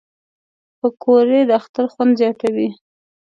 پکورې د اختر خوند زیاتوي